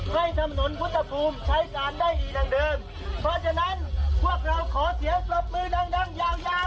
ให้ถนนพุทธภูมิใช้การได้ดีดังเดิมเพราะฉะนั้นพวกเราขอเสียงปรบมือดังดังยาวยาว